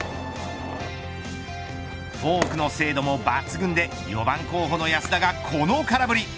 フォークの精度も抜群で４番候補の安田がこの空振り。